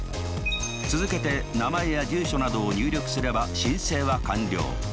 続けて名前や住所などを入力すれば申請は完了。